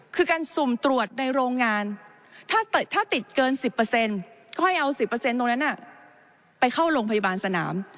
คือการสุ่มตรวจในโรงงานถ้าติดเกิน๑๐ค่อยเอา๑๐ตรงนั้นไปเข้าโรงพยาบาลสนาม